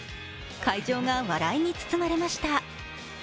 会場が笑いに包まれました。